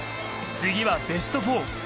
次はベスト４。